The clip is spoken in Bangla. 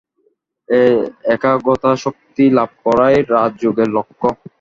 এই একাগ্রতা-শক্তি লাভ করাই রাজযোগের লক্ষ্য।